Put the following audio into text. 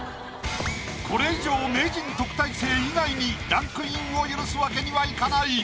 これ以上名人・特待生以外にランクインを許すわけにはいかない。